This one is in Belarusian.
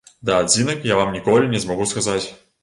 Да адзінак я вам ніколі не змагу сказаць.